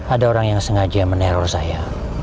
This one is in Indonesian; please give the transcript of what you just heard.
ada orang yang sengaja meneror saya